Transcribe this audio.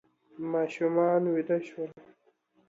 ماشومان ویده شول.